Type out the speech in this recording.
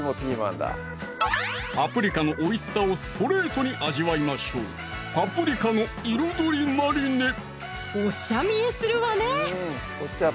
パプリカのおいしさをストレートに味わいましょうおしゃ見えするわね